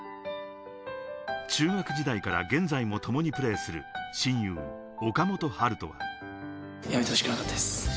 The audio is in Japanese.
中学時代から現在もともにプレーする親友・岡本温叶は。